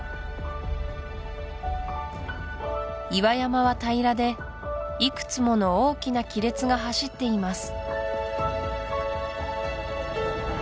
岩山は平らでいくつもの大きな亀裂が走っています